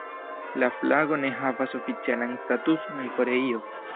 La flago ne havas oficialan statuson en Koreio.